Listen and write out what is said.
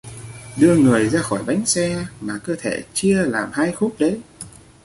đưa người ra khỏi bánh xe mà cơ thể chia làm hai khúc đấy